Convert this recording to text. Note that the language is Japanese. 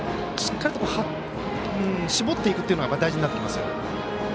しっかりと絞っていくというのが大事になってきますよ。